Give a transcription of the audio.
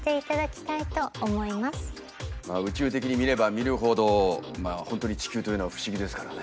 宇宙的に見れば見るほど本当に地球というのは不思議ですからね。